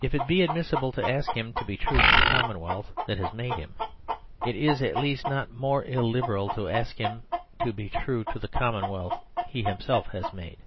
If it be admissible to ask him to be true to the commonwealth that has made him, it is at least not more illiberal to ask him to be true to the commonwealth he has himself made.